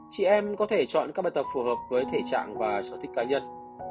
chị em có thể chọn các bài tập phù hợp với thể trạng và sở thích cá nhân